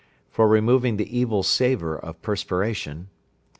For removing the evil savour of perspiration.